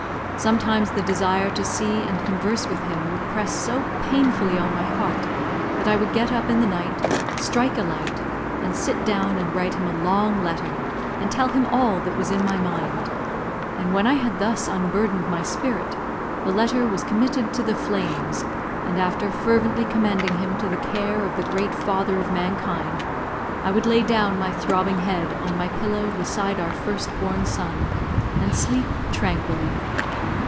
Sometimes the desire to see and converse with him would press so painfully on my heart that I would get up in the night, strike a light, and sit down and write him a long letter, and tell him all that was in my mind; and when I had thus unburdened my spirit, the letter was committed to the flames, and after fervently commending him to the care of the Great Father of mankind, I would lay down my throbbing head on my pillow beside our first born son, and sleep tranquilly.